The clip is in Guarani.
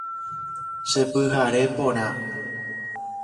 Chepyhare porã.